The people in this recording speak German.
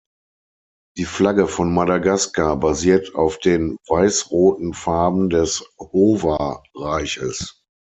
Die Flagge von Madagaskar basiert auf den weiß-roten Farben des Hova-Reiches.